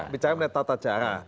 bicara melihat tata cara